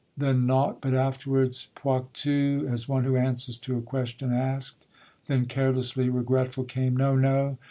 then nought, but afterwards: Poictou. As one who answers to a question ask'd, Then carelessly regretful came: No, no.